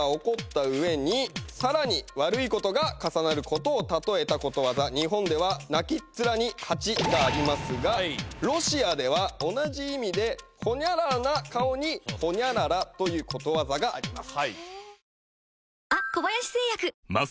こちら！をたとえたことわざ日本では。がありますがロシアでは同じ意味でホニャララな顔にホニャララということわざがあります。